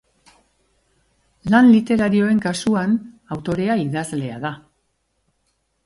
Lan literarioen kasuan autorea idazlea da.